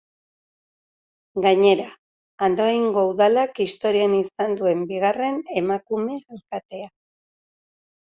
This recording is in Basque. Gainera, Andoaingo Udalak historian izan duen bigarren emakume alkatea.